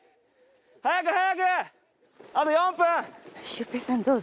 早く早くあと４分！